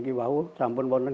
jadi itu tidak akan mudah